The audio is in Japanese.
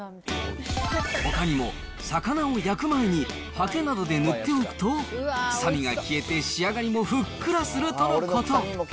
ほかにも、魚を焼く前にはけなどで塗っておくと、臭みが消えて仕上がりもふっくらするとのこと。